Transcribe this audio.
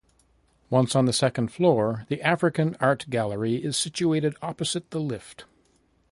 Once on the second floor, the African art gallery is situated opposite the lift.